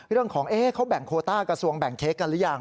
เรื่องของเขาแบ่งโคต้ากระทรวงแบ่งเค้กกันหรือยัง